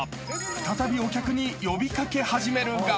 再びお客に呼び掛け始めるが］